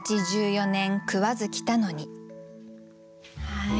はい。